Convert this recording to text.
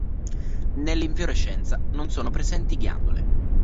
Nell'infiorescenza non sono presenti ghiandole.